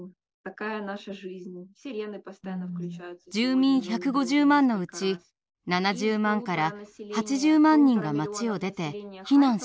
住民１５０万のうち７０万８０万人が町を出て避難しました。